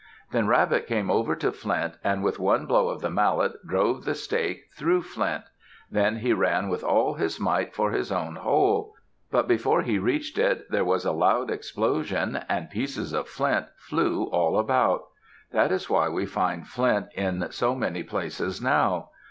Then Rabbit came over to Flint and with one blow of the mallet drove the stake through Flint. Then he ran with all his might for his own hole. But before he reached it, there was a loud explosion, and pieces of flint flew all about. That is why we find flint in so many places now.